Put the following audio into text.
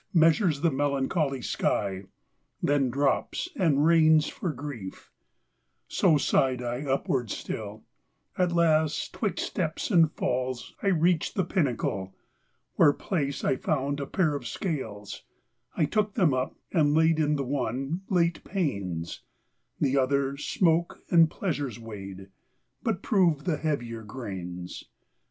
Measures the melancholy sky, Then drops, and rains for grief: 23 REGENERA TION 3 So sighed I upwards still ; at last, 'Twixt steps and falls, I reached the pinnacle, where placed I found a pair of scales ; I took them up, and laid In th' one late pains; The other smoke and pleasures weighed, But proved the heavier grains.